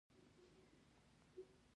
هر څوک له سانتیاګو سره ځان تړلی ګڼي.